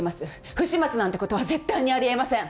不始末なんてことは絶対にあり得ません。